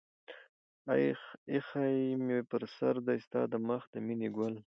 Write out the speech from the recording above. اىښى مې پر سر دى ستا د مخ د مينې گل